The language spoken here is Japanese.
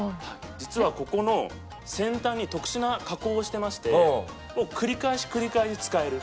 実はここの先端に特殊な加工をしてまして繰り返し繰り返し使える。